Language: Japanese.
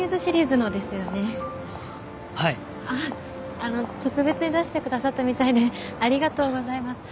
あっあの特別に出してくださったみたいでありがとうございます。